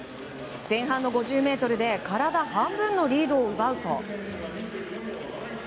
前半の５０ｍで体半分のリードを奪うと。